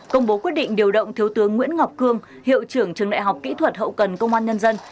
công bố quyết định điều động thiếu tướng nguyễn ngọc cương hiệu trưởng trường đại học kỹ thuật hậu cần công an nhân dân